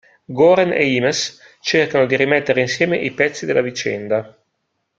Goren e Eames cercano di rimettere insieme i pezzi della vicenda.